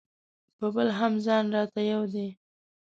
په بل هم ځان راته یو دی.